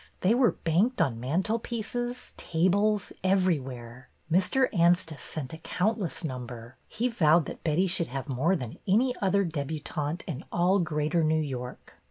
They were banked on mantelpieces, tables, everywhere. Mr. Anstice sent a countless number. He vowed that Betty should have more than any other debutante in all Greater New York.